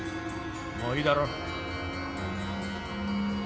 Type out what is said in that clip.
もういいだろ。